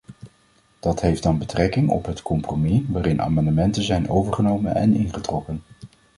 Dat heeft dan betrekking op het compromis waarin amendementen zijn overgenomen en ingetrokken.